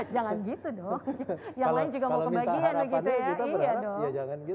jangan gitu dong yang lain juga mau kebagian begitu ya iya dong